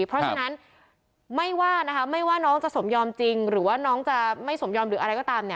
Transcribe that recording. เพราะฉะนั้นไม่ว่านะคะไม่ว่าน้องจะสมยอมจริงหรือว่าน้องจะไม่สมยอมหรืออะไรก็ตาม